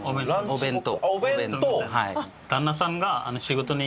お弁当。